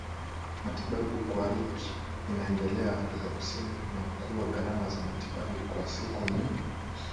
matibabu kwa Ruge inaendelea Afrika Kusini na kuwa gharama za matibabu kwa siku ni